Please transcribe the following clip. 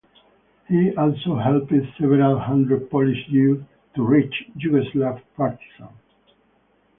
He also helped several hundred Polish Jews to reach Yugoslav partisans.